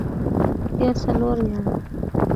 يا څلور ياره.